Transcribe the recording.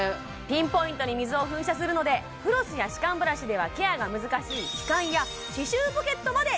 ピンポイントに水を噴射するのでフロスや歯間ブラシではケアが難しいすっごい